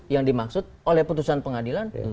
yang dimaksud oleh putusan pengadilan